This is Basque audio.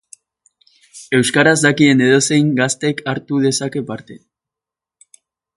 Euskaraz dakien edozein gaztek hartu dezake parte.